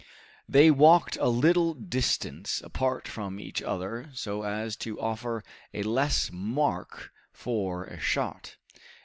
They walked a little distance apart from each other so as to offer a less mark for a shot.